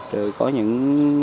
rồi có những